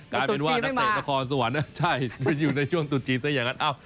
กลายเป็นว่านักเตะนครสวรรค์ใช่มาอยู่ในช่วงตุดจีนซะอย่างนั้น